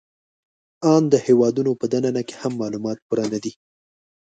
آن د هېوادونو په دننه کې هم معلومات پوره نهدي